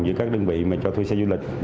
giữa các đơn vị cho thuê xe du lịch